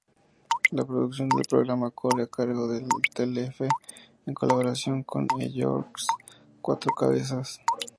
La producción del programa corre a cargo de Telefe en colaboración con Eyeworks-Cuatro Cabezas.